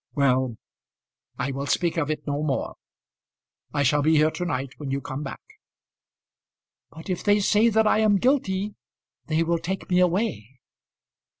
"Well, I will speak of it no more. I shall be here to night when you come back." "But if they say that I am guilty they will take me away."